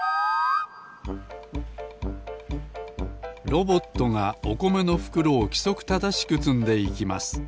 ロボットがおこめのふくろをきそくただしくつんでいきます